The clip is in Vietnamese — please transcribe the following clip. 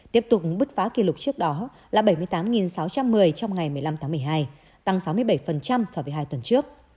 tiếp tục bứt phá kỷ lục trước đó là bảy mươi tám sáu trăm một mươi trong ngày một mươi năm tháng một mươi hai tăng sáu mươi bảy so với hai tuần trước